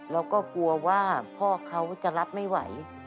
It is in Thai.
เราก็กลัวว่าพ่อเขาจะรับไม่ไหว